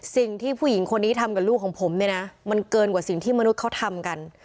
สิ่งที่ผู้หญิงคนนี้ทำกับลูกของผมเนี่ยนะมันเกินกว่าสิ่งที่มนุษย์เขาทำกัน